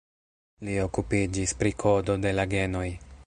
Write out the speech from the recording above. Li okupiĝis pri kodo de la genoj.